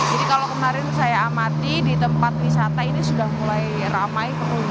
jadi kalau kemarin yang saya amati di tempat wisata ini sudah mulai ramai pengunjung